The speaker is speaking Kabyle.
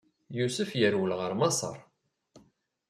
Yusef yerwel ɣer Maṣer.